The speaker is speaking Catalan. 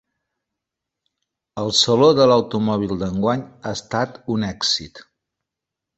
El saló de l'automòbil d'enguany ha estat un èxit.